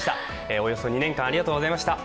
およそ２年間ありがとうございました。